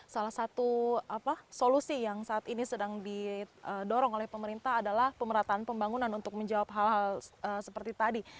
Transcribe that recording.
salah satu solusi yang saat ini sedang didorong oleh pemerintah adalah pemerataan pembangunan untuk menjawab hal hal seperti tadi